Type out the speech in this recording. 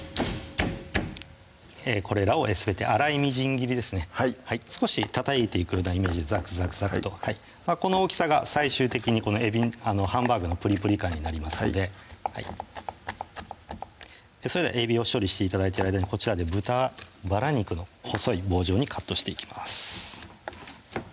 これらをすべて粗いみじん切りですね少したたいていくようなイメージでザクザクザクとこの大きさが最終的にハンバーグのぷりぷり感になりますのでそれではえびを処理して頂いてる間にこちらで豚バラ肉の細い棒状にカットしていきます